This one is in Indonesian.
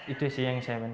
itu sih yang saya ingin